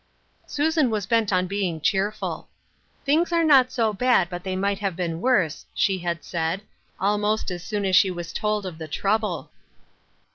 Susan was bent on being cheerful. " Things are not so bad but they might have been worse," she had said, almost as soon as she was told of the trouble.